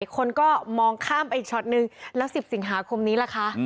อีกคนก็มองข้ามไปอีกช็อตหนึ่งแล้วสิบสิงหาคมนี้แหละคะ